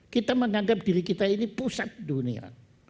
kita menganggap diri kita ini pusat dunia